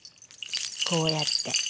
こうやって。